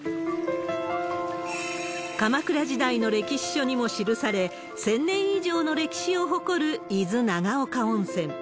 鎌倉時代の歴史書にも記され、１０００年以上の歴史を誇る伊豆長岡温泉。